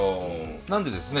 なんでですね